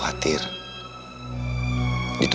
saya tidak pernah mengingatmu